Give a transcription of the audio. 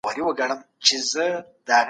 ولي کینه ساتل تر ټولو زیات ځان ته زیان رسوي؟